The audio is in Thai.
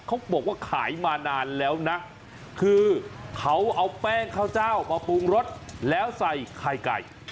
เขาบอกว่าขายมานานแล้วนะคือเขาเอาแป้งข้าวเจ้ามาปรุงรสแล้วใส่ไข่ไก่